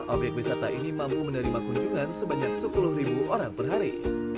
obyek wisata ini mampu menerima kunjungan sebanyak sepuluh orang per hari